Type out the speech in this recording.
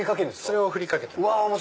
それをふりかけてます。